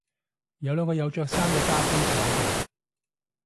有兩個有着衫嘅揸機掌鏡